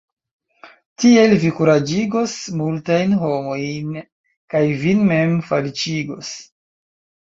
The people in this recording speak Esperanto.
Tiel vi kuraĝigos multajn homojn kaj vin mem feliĉigos.